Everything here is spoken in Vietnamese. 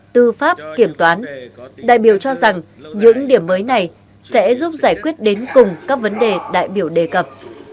tư pháp kiểm toán đại biểu cho rằng những điểm mới này sẽ giúp giải quyết đến cùng các vấn đề đại biểu đề cập